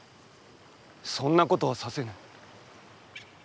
そんなことはさせぬ。